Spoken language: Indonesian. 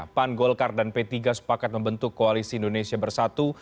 pan golkar dan p tiga sepakat membentuk koalisi indonesia bersatu